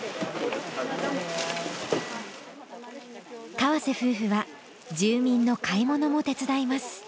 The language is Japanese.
河瀬夫婦は住民の買い物も手伝います。